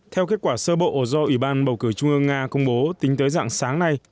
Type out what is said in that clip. theo kết quả sơ bộ do ủy ban bầu cử trung ương nga công bố tính tới dạng sáng nay